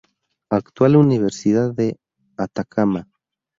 Actual Universidad de Atacama.